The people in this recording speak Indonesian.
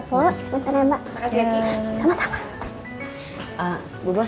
pokoknya sebentar ya mbak sama sama